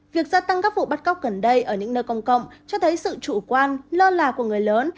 việc gia tăng các vụ bắt cóc gần đây ở những nơi công cộng cho thấy sự chủ quan lơ là của người lớn